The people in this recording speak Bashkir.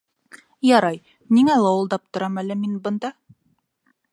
Ярай, ниңә лауылдап торам әле мин бында?